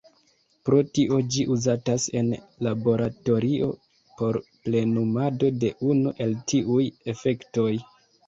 Pro tio, ĝi uzatas en laboratorio por plenumado de unu el tiuj efektoj.